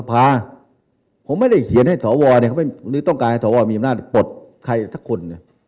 ผมไม่ได้เขียนให้สววะก็ไปกลทำแบบนี้น่ะคน